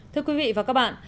thưa quý vị và các bạn